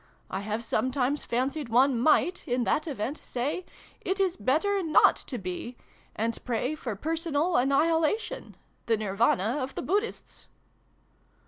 I have sometimes fancied one might, in that event, say 'It is better not to be,' and pray for personal anni hilation the Nirvana of the Buddhists."